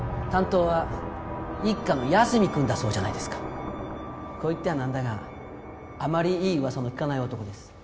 担当は一課の八角君だそうじゃないですかこう言ってはなんだがあまりいい噂は聞かない男です